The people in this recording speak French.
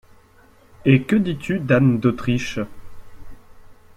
Et que dis-tu d’Anne d’Autriche?